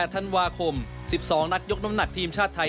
ธันวาคม๑๒นักยกน้ำหนักทีมชาติไทย